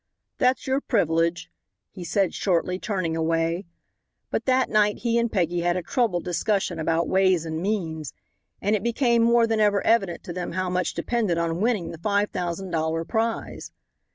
"That's your privilege," he said shortly, turning away, but that night he and Peggy had a troubled discussion about ways and means, and it became more than ever evident to them how much depended on winning the five thousand dollar prize.